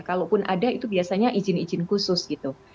kalaupun ada itu biasanya izin izin khusus gitu